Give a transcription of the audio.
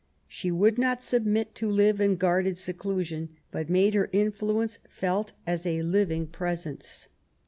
She would not submit to live in guarded seclusion, but made her influence felt as a living presence.